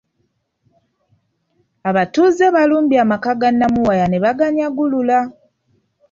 Abatuuze baalumbye amaka ga Namuwaya ne baganyagulula.